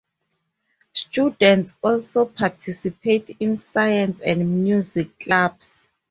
Students also participate in science and music clubs.